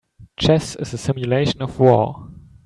Chess is a simulation of war.